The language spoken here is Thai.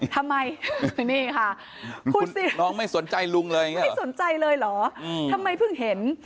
ทำไมนี่ค่ะคุณสิน้องไม่สนใจลุงเลยอย่างนี้ไม่สนใจเลยเหรอทำไมเพิ่งเห็น